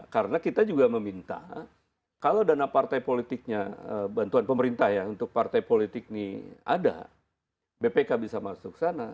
karena kita juga meminta kalau dana partai politiknya bantuan pemerintah ya untuk partai politik ini ada bpk bisa masuk ke sana